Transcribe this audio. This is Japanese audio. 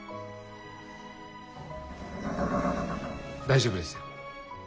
大丈夫ですよ。